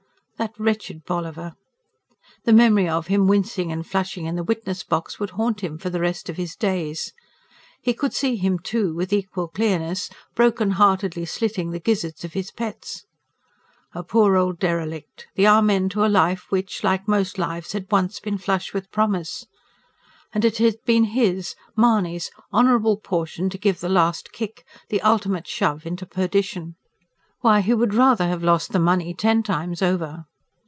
That wretched Bolliver! ... the memory of him wincing and flushing in the witness box would haunt him for the rest of his days. He could see him, too, with equal clearness, broken heartedly slitting the gizzards of his, pets. A poor old derelict the amen to a life which, like most lives, had once been flush with promise. And it had been his Mahony's., honourable portion to give the last kick, the ultimate shove into perdition. Why, he would rather have lost the money ten times over!